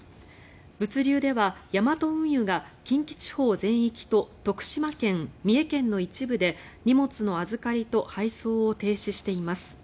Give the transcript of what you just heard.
物流ではヤマト運輸が近畿地方全域と徳島県、三重県の一部で荷物の預かりと配送を停止しています。